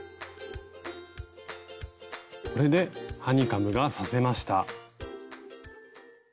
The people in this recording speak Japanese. これでハニカムが刺せました。